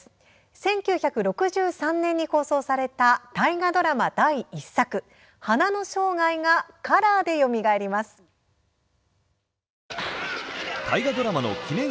１９６３年に放送された大河ドラマ第１作「花の生涯」がカラーで、よみがえります。